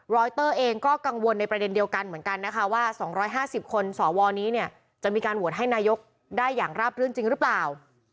รอยเตอร์เองก็กังวลในประเด็นเดียวกันเหมือนกันนะคะว่า๒๕๐คนสวนี้เนี่ยจะมีการโหวตให้นายกได้อย่างราบรื่นจริงหรือเปล่า